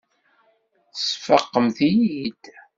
Tesfaqemt-iyi-id.